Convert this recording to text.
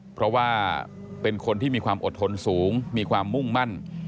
เพราะว่าเป็นคนที่มีความอดทนสูงมีความมุ่งมั่น